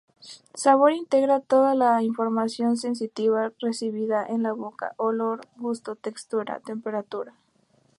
Sabor integra todo la información sensitiva recibida en la boca: olor, gusto, textura, temperatura.